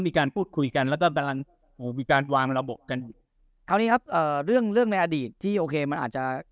มีการพูดคุยกันแล้วก็กำลังโอ้มีการวางระบบกันคราวนี้ครับเอ่อเรื่องเรื่องในอดีตที่โอเคมันอาจจะ